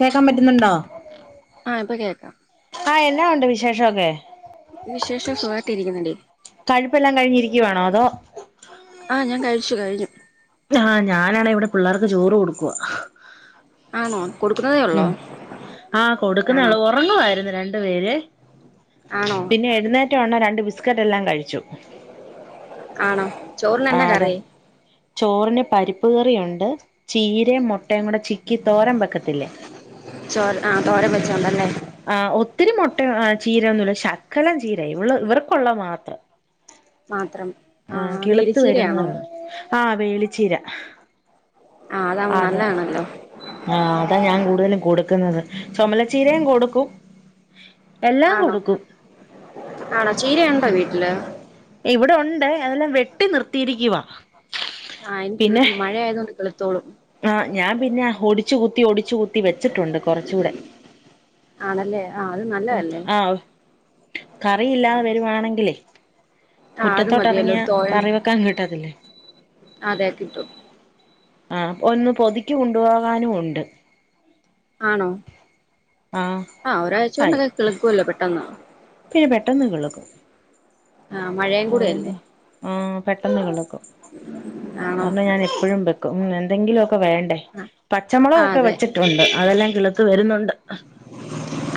കേക്കാൻ പറ്റുന്നുണ്ടോ? ആഹ് ഇപ്പം കേക്കാം. ആഹ് എന്നാ ഉണ്ട് വിശേഷം ഒക്കെ? വിശേഷം സുഖായിട്ട് ഇരിക്കുന്നെടി. കഴുപ്പെല്ലാം കഴിഞ്ഞിരിക്കുവാണോ അതോ, ആഹ് ഞാൻ കഴിച്ചു കഴിഞ്ഞു. ആഹ് ഞാനാണേ ഇവിടെ പിള്ളേർക്ക് ചോറ് കൊടുക്കുവാ. ആണോ കൊടുക്കുന്നതേ ഉള്ളോ ഉം ആഹ് ആണോ കൊടുക്കുന്നൊള്ളു ഉറങ്ങുവായിരുന്നു ര ണ്ട് പേര്‌വേ. ആണോ പിന്നെ എഴുന്നേറ്റ ഉടനെ രണ്ട് ബിസ്കറ്റ് എല്ലാം കഴിച്ചു. ആണോ ചോറിന് എന്നാ ആഹ് അതെ. കറി ചോറിന് പരിപ്പ് കറിയുണ്ട് ചീരയും മുട്ടയും കൂടെ ചിക്കി തോരൻ വെക്കത്തില്ലേ. ചോര് ആഹ് തോരൻ വെച്ചോണ്ടല്ലേ. ആഹ് ഒത്തിരി മുട്ടയൊ ഏഹ് ചീരൊന്നുല്ല ശകലം ചീരെ ഇവള് ഇവർക്കുള്ളത് മാത്രം. മാത്രം ആ ആഹ് കിളുത്ത് വരുന്നതേ വേലിച്ചീരയാണോ ഒള്ളു ആഹ് വേളിച്ചീര. ആഹ് അതാവുമ്പം നല്ലതാണല്ലോ. ആഹ് അതാ ഞാൻ കൂടുതലും കൊടുക്കുന്നത് ചൊമലച്ചീരയും കൊടുക്കും. എല്ലാം ആണോ കൊടുക്കും ആണോ ചീരയുണ്ടോ വീട്ടില്? ഇവിടെ ഉണ്ട് അതെല്ലാം വെട്ടി നിർത്തിയിരിക്കുവാ. ആഹ് ഇനി പിന്നെ കിത്ക്കും മഴയായതോണ്ട് കിളുത്തോളും. ആഹ് ഞാൻ പിന്നെ ഒടിച്ചു കുത്തി ഒടിച്ചു കുത്തി വെച്ചിട്ടുണ്ട് കുറച്ചൂടെ. ആണല്ലേ ആഹ് അത് നല്ലതല്ലേ. ആഹ് കറിയില്ലാതെ വരുവാണെങ്കിലെ. ആ അത് മുറ്റത്തോട്ട് മതിയല്ലോ ഇറങ്ങിയ ഒരു തോരൻ കറിവെക്കാൻ കിട്ടത്തില്ലേ. അതെ കിട്ടും. ആഹ് ഒന്ന് പൊതുക്കി കൊണ്ടുപോകാനും ഉണ്ട്. ആണോ ആഹ് ഒരാഴ്ച ആയി കൊണ്ടൊക്കെ കിളിക്കുവല്ലോ പെട്ടെന്ന്. പിന്നെ പെട്ടെന്ന് കിള്ക്കും. ആഹ് മഴെ അതൊണ്ടോ ആഹ് പെട്ടെന്ന് കിളുക്കും ആണോ കാരണം ഞാൻ എപ്പഴും വെ ക്കും എന്തെങ്കിലു ഒക്കെ വേണ്ടേ. ആ ആ പച്ചമുളകൊക്കെ അതെ വെച്ചിട്ടുണ്ട് അതെല്ലാം കിളുത്ത് വരുന്നുണ്ട്.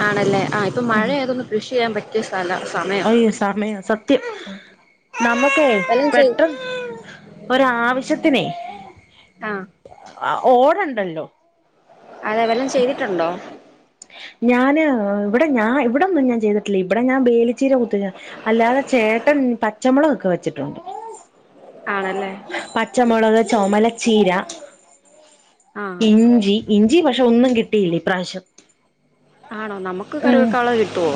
ആണല്ലേ ആഹ് ഇപ്പൊ മഴ ആയതോണ്ട് കൃഷി ചെയ്യാൻ പറ്റിയ സ്ഥലാ സമയാ. അയ്യൊ സമയാ സ ത്യം. നമുക്കേ വല്ലം ചെയ് പെട്ടെന്ന് ഒരാവശ്യത്തിനെ ആഹ് ഓടണ്ടല്ലോ അതെ, വല്ലോം ചെയ്തിട്ടു ണ്ടോ? ഞാൻ ഇവിടെ ഞാൻ ഇവിടെന്നും ഞാൻ ചെയ്തിട്ടില്ല. ഇവിടെ ഞാൻ ബേലി ച്ചീര കുത്ത അല്ലാതെ ചേട്ടൻ പച്ചമുളകൊ ക്കെ വെച്ചിട്ടുണ്ട്. ആണല്ലേ? പച്ചമുളക് ചുമലച്ചീര ആഹ് ഇഞ്ചി. ഇഞ്ചി പക്ഷെ, ഒന്നും കിട്ടിയില്ല. ഇ പ്രവശ്യം. ആണോ? നമുക്ക് കറിവക്കാള്ളത് കിട്ടുവോ?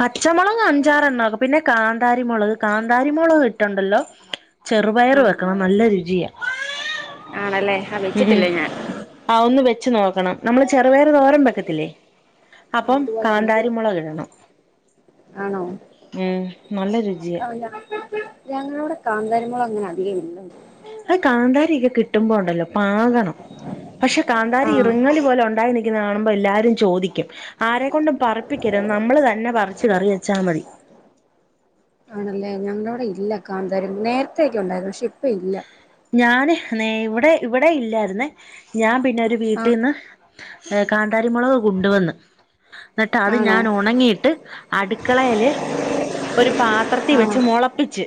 പച്ചമുളക് അഞ്ചാറണ്ണം ഒക്കെ പിന്നെ കാന്താരി മുളക് കാന്താരി മുളക് കിട്ടണ്ട ല്ലോ? ചെറുപയറ് ആഹ് വെക്കണം. നല്ല രുചിയാ, ആണല്ലേ ആ ഉം ഉം വെച്ചിട്ടില്ല ഞാൻ ആഹ്, ഒന്ന് വെച്ച് നോക്കണം. നമ്മള് ചെറുപയറ് തോരം വെക്കത്തി ല്ലേ, ആഹ് അപ്പം അതുപോലെ തന്നെയല്ലേ കാന്താരി മുളക് ഇടണം. ആണോ ഉം, നല്ല രുചിയ. ആഹ് ഞ ഞങ്ങളവിടെ കാന്താരി മുളക് അങ്ങനെ അധികം ഇല്ല ന്ന്. അത് കാന്താരി ഒക്കെ കിട്ടുമ്പോ ഉണ്ടല്ലോ പാകാണ്. പക്ഷെ കാന്താരി ആഹ് ഇറങ്ങലി പോലെ ഉണ്ടായി കാണുമ്പോ എല്ലാരും ചോദിക്കും ആരെക്കൊണ്ടും പറപ്പിക്കരുത് നമ്മള് തന്നെ പറിച്ചു കറി വെച്ചാ മതി. ആണല്ലേ? ഞങ്ങളുടെ അവിടെ ഇല്ല കാന്തരി നേരത്തേക്കെ ഉണ്ടായിരുന്നു. പക്ഷെ ഇപ്പ ഇല്ല. ഞാന് നേ ഇവിടെ ഇവിടെ ഇല്ലായിരുന്നേ ഞാൻ പിന്നെ ഒരു വീട്ടിൽ ആഹ് ന്ന് ഏ കതാരി മുുളക് കൊണ്ടുവന്ന് എന്നിട്ട് അത് ആണോ ഞാൻ ഉണങ്ങിയിട്ട് അടുക്കളെല് ഒരു പാത്രത്തിൽ ആഹ് വെച്ച് മുളപ്പിച്ച്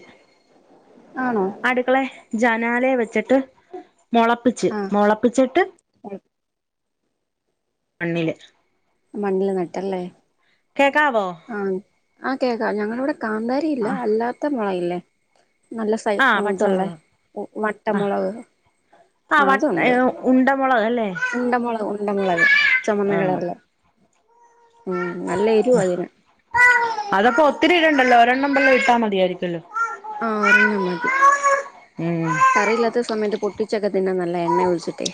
ആണോ അടുക്കളെ ജനാലയെ വെച്ചിട്ട് മുളപ്പിച്ച് ആഹ് മുളപ്പിച്ചിട്ട് [unintelligible] മണ്ണില് മണ്ണിൽ നട്ടല്ലേ കേക്കാവോ ആഹ്, ആഹ് കേക്കാ. ഞങ്ങളിവിടെ കാന്താരിയില്ല. അല്ലാത്ത മുളയി ല്ലേ? നല്ല സൈ ആഹ് ഇതുള്ള പച്ചമുളക് വട്ടമുളക്. ആഹ് അത് ഉണ്ട്. ഉണ്ടമുളക് അല്ലേ ഉണ്ടമുളക് ഉണ്ടമുളക് ചുമന്ന ആഹ് കളറുള്ള ഉം നല്ല എരുവ അതിന്. അതപ്പോ ഒത്തിരി ഇടണ്ടല്ലോ? ഒരെണ്ണം മ്പല്ല ഇട്ടാൽ മതിയായിരിക്ക ല്ലോ? ആഹ്, ഒരെണ്ണം മതി ഉം കറിയില്ലാത്ത സമയത്ത് പൊട്ടിച്ചൊക്കെ തിന്നാം നല്ല എണ്ണ ഒഴിച്ചിട്ടേ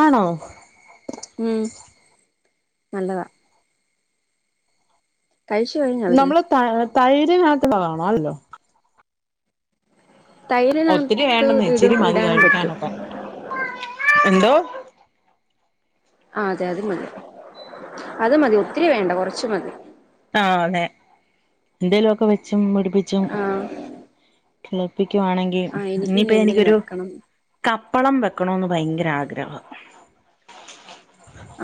ആണോ ഉം നല്ലത കഴിച്ചു കഴിഞ അവര് ക നമ്മള് ത തൈര് ന [unintelligible] കാണോ അല്ലോ ഒത്തിരി തൈരിനകത്ത് വേണ്ടെന്ന്. ഇട ഇച്ചിരി മതി ഇടാനും പറ്റും കഴിക്കാനൊക്കെ എന്തോ ആഹ് അതെ അത് മതി. അത് മതി ഒത്തിരി വേണ്ട കുറച് മതി ആഹ്, അതെ എന്തേലു ഒക്കെ വെച്ചും പിടിപ്പിച്ചും ആഹ് കിളിപ്പിക്കുവാണെങ്കിൽ ആഹ് എനിക്കും ഇനി ഇനിയിപ്പ എന്തേലും എനിക്കൊരു വെക്കണം കപ്പളം വെക്കണന്ന് ഭയങ്കര ആഗ്രഹം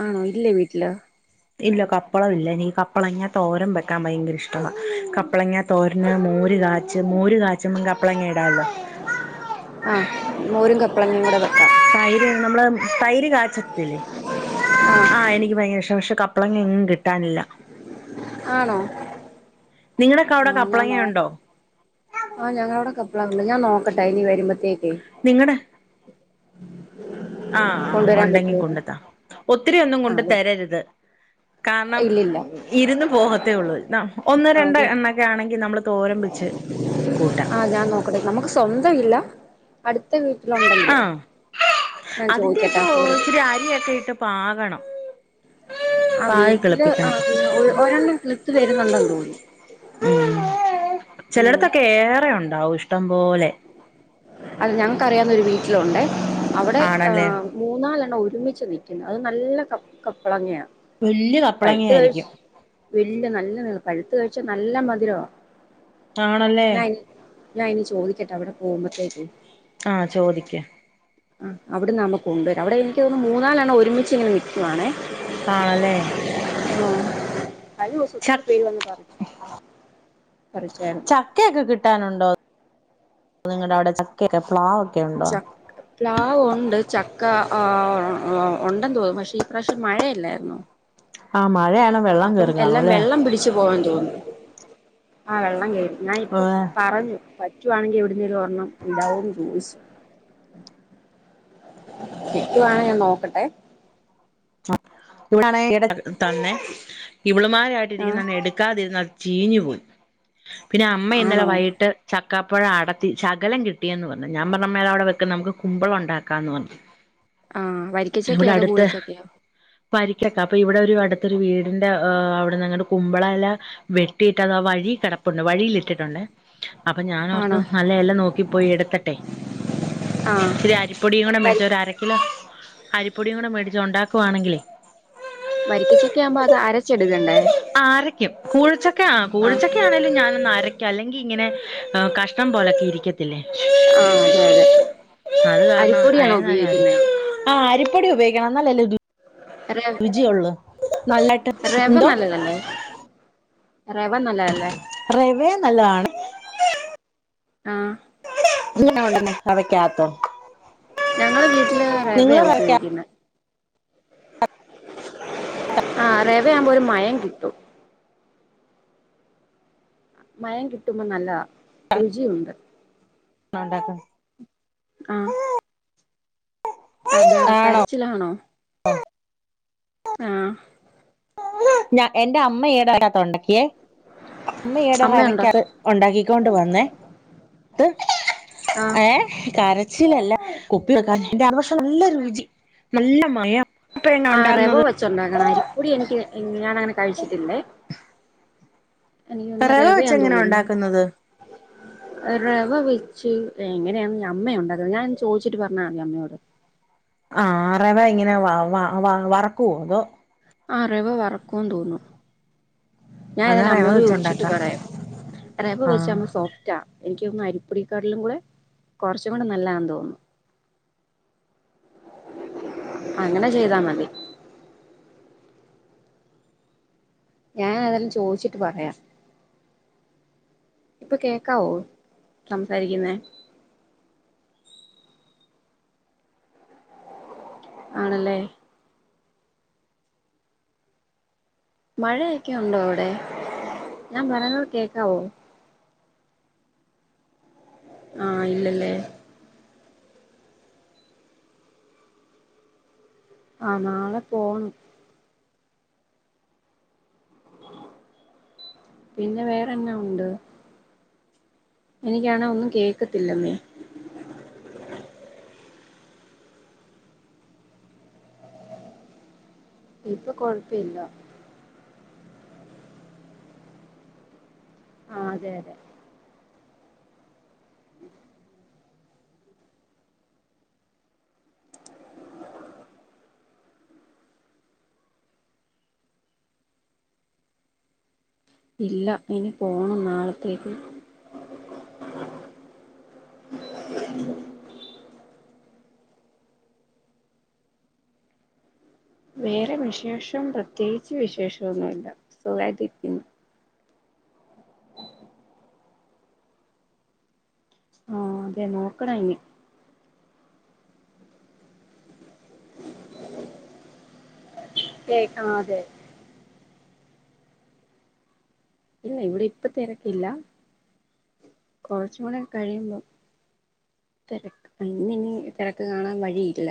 ആണോ ഇല്ലേ വീട്ടില് ഇല്ല കപ്പളം ഇില്ല എനിക്ക് കപ്പളങ്ങാത്ത തോരം വെക്കാൻ ഭയങ്കര ഇഷ്ടമാണ് കപ്പളങ്ങാ തോരന് മോര് കാച്ച് മോര് കാച്ച കപ്പളങ്ങ ഇടാല്ലോ ആ മോരും കപ്പളംങ്ങ കൂടെ വയ്ക്കാം തൈര് നമ്മള് തൈര് കാച്ചത്തില്ലേ ആഹ് എനിക്ക് ഭയങ്കര ഇഷ്ട പക്ഷെ ക പളങ്ങഎങ്ങും കിട്ടാനില്ല ആണോ നിങ്ങളൊക്കെ അവിടെ ആഹ് ഞാൻ കപ്പ്ളങ്ങ നോ ഉണ്ടോ ആഹ് ഞങ്ങളടെ കപ്പള ഉണ്ട് ഞാൻ നോക്കട്ടാ ഇനി വരുമ്പത്തേക്ക് നിങ്ങടെ ആഹ് ആഹ് കൊണ്ടുവരാൻ ഉണ്ടെങ്കി പറ്റൂന്ന് കൊണ്ട്താ ഒത്തിരി ഒന്നും ആഹ് കൊണ്ട് അത് തരരുത് കാരണം ഇല്ലില്ല ഇരുന്ന് പോകത്തേ ഉള്ളൂ ഒന്ന് ആഹ് രണ്ട് അത് എണ്ണൊക്കെ ആണെങ്കി നമ്മള് തോരമ്പിച്ച് കൂട്ട [unintelligible] നമുക്ക് സ്വന്തം ഇല്ല അടുത്ത വീട്ടിലുണ്ടെങ്കിലേ ആഹ് ഞാൻ ചോദിക്കട്ടെ ചാരിയൊക്കെ ഇട്ട് പാകണം ആഹ് പാകി വീട്ടില് കിളിപ്പിക്കണം അഹ് ഒരെണ്ണം കിൾത്ത് വരുന്നുണ്ടന്ന് തോന്നു ചിലടത്തൊക്കെ ഏറെ ഉണ്ടാവും ഇഷ്ടം പോലെ അതെ ഞങ്ങക്ക്റിയാവുന്ന ഒരു വീട്ടിലുണ്ട് അവിടെ ആണല്ലേ ആഹ് മൂന്നാലെണ്ണ ഒരുമിച്ച് നിക്കുന്നു അഹ് നല്ല ക കപ്പളങ്ങയാണ് വല്യ പഴുത്ത കഴിച് കപ്പളങ്ങയായിരിക്കും വല് നല്ല പഴുത്ത കഴിച്ച നല്ല മധുരവാ ആണല്ലേ ഞ ഞൻനി ചോദിക്കെട്ട അവിടെ പോകുമ്പോത്തേക്ക് ആഹ് ചോദിക് ആഹ് അവിടുന്നമ്മ കൊണ്ടുവര അവിടെ എനിക്ക് തോന്ന് മൂന്നാലണ്ണ ഒരുമിച്ചിങ്ങനിൽക്കുവാണേ ആണല്ലേ അഹ് കഴിഞ്ഞോസം ച ഒത്തിരി പേര് വന്ന് പറു പറിച്ചായിരുന്നു ചക്കയൊക്കെ കിട്ടാനുണ്ടോ നിങ്ങളുടെ അവിടെ ചക്കെ പ്ലാവ ചക് പ്ലാവ് ഉണ്ട് ചക്ക ആഹ് ഉണ്ടെന്ന് തോന്നും പക്ഷെ ഈ പ്രാവശ്യം മഴയല്ലായിരുന്നു ആഹ് മഴയാണ് വെള്ളം കേറി കാണുലേ ച്ചു പോവാൻ തോന്നുന്നു ആഹ് വെള്ളം കേറി ഞാൻ ആ ഇപ്പ പറഞ്ഞു റ്റുവാണെങ്കി എവിടുന്ന ഒരു ഒർണം ഇടാവും ചോദിച്ചു കിട്ടുവാണ ഞാൻ നോക്കട്ടെ [unintelligible] തന്നെ ആഹ് ഇവളുമാരായിട്ടിരിക്കുന്ന എടുക്കാതിരുന്ന ചീഞ്ഞു പോയി പിന്നെ അമ്മ ഇന്നലെ ആണോ വൈകിട്ട് ചക്കാപ്പഴ അടത്തി ശകലം കിട്ടിയെന്ന് പറഞ്ഞു ഞാൻ പറഞ്ഞ മേൽ അവിടെ വെക്കും നമുക്ക് കുമ്പളം ഉണ്ടാക്കാ എന്ന് പറഞ്ഞു [inaudible] ആഹ് വരിക്കച്ചൊക്കെയാ അതോ കൂഴച്ചൊക്കെയോ പരിക്കക്കാം അപ്പൊ ഇവിടെ ഒരു അടുത്തൊരു വീടിന്റെ് അവിടെ ഞങ്ങുടെ കുമ്പളല വെട്ടിട്ട് അവാ വഴി കിടപ്പുണ്ട് വഴിയിലിട്ടിട്ടുണ്ട് അപ്പൊ ഞാനോർത്ത് ആണോ നല്ല എല നോക്കി പോയി എടുത്തട്ടെ ആഹ് ഇതിരി അരിപ്പൊടിയും കൂടെ വരി മേടിച്ച ഒരു അര കിലോ അരിപ്പൊടിയും കൂടെ മേടിച്ചോ ഉണ്ടാക്കുവാണെങ്കിലേ വരിക്കച്ചൊക്കെ ആവുമ്പോ അത് അരച്ചെടുക്കണ്ടേ ആരക്കും കൂഴിച്ചൊക്കെ ആണ് ആഹ് കൂഴിച്ചക്കെ ക്ക്യാണേലും ഞാനൊന്ന് അരക്കു അല്ലെങ്കി ഇങ്ങനെ കഷ്ണം പോലൊക്കെ ഇരിക്ക ത്തില്ലേ ആഹ് അതെ അതെ അഹ് കാരണം അയ അരിപ്പൊടിയാണോ നല്ലാ ഉപയോഗിക്കുന്നേ ആഹ് അരിപ്പൊടി ഉപയോഗിക്കണം എന്നാലല്ലേ രു നല്ലായിട്ട് റബ എന്തോ നല്ലതല്ലേ റവ നല്ലതല്ലേ റവേ നല്ലതാണ് ആഹ് എങ്ങനാ ഒണ്ടാക്കുന്നെ തവക്കാത്തോ ഞങ്ങള് വീട്ടില് റവയാ നിങ്ങള് റവയ്ക്കകത്താണോ ഉപയോഗിക്കുന്നത് ആഹ് റവയാവുമ്പോ ഒരു മയം കിട്ടും മയം കിട്ടുമ്പോൾ നല്ലതാ രുചിയുണ്ട് ആ ഇണ്ടാക്കും ആഹ് ആഹ് അതെ ആണോ കരച്ചിലാണോ ആഹ് ഞാ എന്റെ അമ്മ ഈ എടെ അയ്ൻ്റാത്ത് ഒണ്ടാക്കിയേ അമ്മ ഈ ഇടെ അമ്മയുണ്ടോ റവയ്ക്ക ഒണ്ടാക്കി കൊണ്ട് വന്നേ ആഹ് ഏഹ് കരച്ചിലല്ല കുപ്പി വെക്കാൻ ആ പക്ഷെ നല്ല രുചി നല്ല മയം അപ്പ എങ്ങനാ ആഹ് റവ ഉണ്ടാക്കുന്നത് വെച്ചൊണ്ടാക്കണം അരിപ്പൊടി എനിക്ക് ഞാനങ്ങനെ കഴിച്ചിട്ടില്ലേ എനിക്കൊന്ന് റവ റവയാ വെച്ച് എങ്ങനാ തോന്നുന്നു ഉണ്ടാക്കുന്നത് റവ വെച്ച് എങ്ങനെയാണ് അമ്മയാ ഉണ്ടാക്കുന്നത് ഞാൻ ചോദിച്ചിട്ട് പറഞ്ഞാ അമ്മയോട് ആ റവ എങ്ങനാ വ വ വ വറക്കോ അതോ ആ റവ വറക്കൂന്ന് തോന്നുന്നു ഞാൻ എന്നാ ഏതായാലും റവ അമ്മയോട് ചോദിച്ചിട്ട് വെച്ചുണ്ടാക്കാം പറയാം റവ വെച്ച് ആഹ് ന റ്റാ എനിക്ക് തോന്നുന്നു അരിപ്പൊടിക്കാട്ട്ലും കൂടെ കുറച്ചും കൂടെ നല്ലാന്ന് തോന്നുന്നു അങ്ങനെ ചെയ്താ മതി ഞാൻ അതെല്ലാം ചോയിച്ചിട്ട് പറയാം ഇപ്പൊ കേക്കാവോ സംസാരിക്കുന്ന ആണല്ലേ മഴയൊക്കെ ഉണ്ടോ അവിടെ ഞാൻ പറയണത് കേക്കാവോ ആഹ് ഇല്ലല്ലേ ആ നാളെ പോണം പിന്നെ വേറെന്നാ ഉണ്ട് എനിക്കാണെ ഒന്നും കേക്കത്തില്ലന്നേ ഇപ്പൊ കൊഴപ്പില്ല ആഹ് അതെ അതെ ഉ ഇല്ല ഇനി പോണം നാളത്തേക്ക് വേറെ വിശേഷം പ്രത്യേകിച്ച് വിശേഷൊന്നുല്ല സുഖായിട്ടിരിക്കുന്നു ആഹ് അതെ നോക്കണ ഇനി കേക്ക അതെ ഇല്ല ഇവിടെ ഇപ്പൊ തിരക്കില്ല കൊറച്ചൂടി കഴിയുമ്പോ തിരക്ക് ഇന്നിനി ഇനി തിരക്ക് കാണാൻ വഴിയില്ല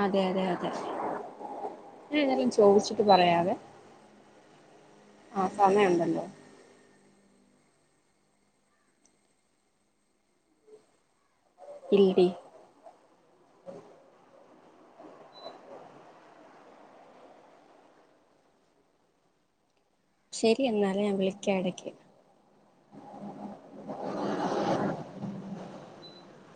അതെ അതെ അതെ ഞാനെതായാലും ചോയ്ച്ചിട്ട് പറയാവെ ആഹ് സമയം ഉണ്ടണ്ടോ ഇല്ലേ ശരി എന്നാലേ ഞാൻ വിളിക്കാം എടക്ക്